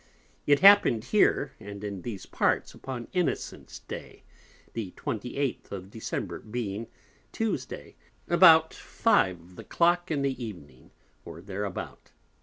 It happen'd here, and in these Parts, upon Innocent's Day, the 28th of December, being Tuesday, about Five of the Clock in the Evening, or thereabout.